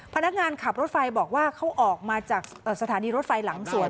พนักงานขับรถไฟบอกว่าเขาออกมาจากสถานีรถไฟหลังสวน